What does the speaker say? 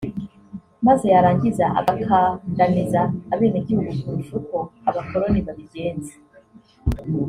maze yarangiza agakandamiza abenegihugu kurusha uko abakoloni babigenza